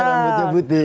karena rambutnya putih